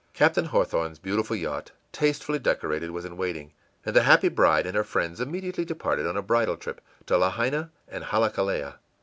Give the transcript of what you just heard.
Captain Hawthorne's beautiful yacht, tastefully decorated, was in waiting, and the happy bride and her friends immediately departed on a bridal trip to Lahaina and Haleakala.